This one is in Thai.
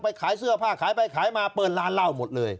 ขายเสื้อผ้าขายไปขายมาเปิดร้านเหล้าหมดเลย